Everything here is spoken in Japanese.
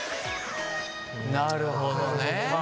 なるほどね。